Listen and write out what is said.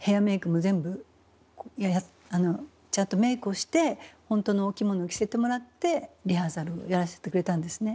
ちゃんとメークをしてほんとのお着物を着せてもらってリハーサルやらせてくれたんですね。